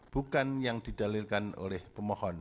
bukan yang didalilkan oleh pemohon